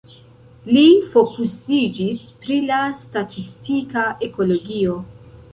Li fokusiĝis pri la statistika ekologio.